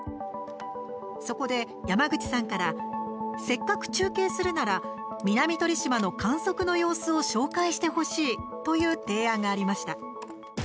そこで、山口さんからせっかく中継するなら南鳥島の観測の様子を紹介してほしいという提案がありました。